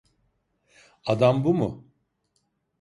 Adam bu mu?